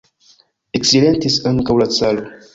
Eksilentis ankaŭ la caro.